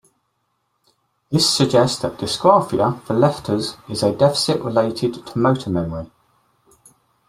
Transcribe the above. This suggests that dysgraphia for letters is a deficit related to motor memory.